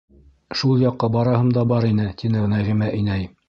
Шул яҡҡа бараһым да бар ине, - тине Нәғимә инәй.